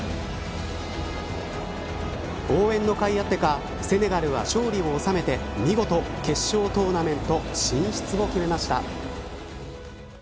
応援のかいあってかセネガルは勝利を収めて見事、決勝トーナメント進出を決めました。